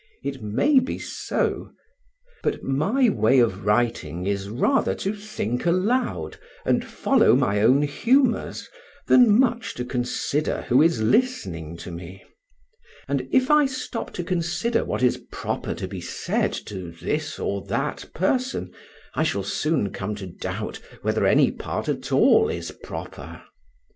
It may be so. But my way of writing is rather to think aloud, and follow my own humours, than much to consider who is listening to me; and if I stop to consider what is proper to be said to this or that person, I shall soon come to doubt whether any part at all is proper.